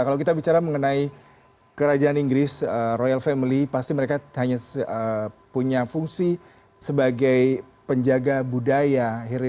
kalau kita bicara mengenai kerajaan inggris royal family pasti mereka hanya punya fungsi sebagai penjaga budaya